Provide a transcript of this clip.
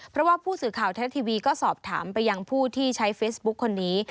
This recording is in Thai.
เพราะว่าผู้สื่อข่าวไทยรัฐทีวีก็สอบถามไปยังผู้ที่ใช้เฟซบุ๊คคนนี้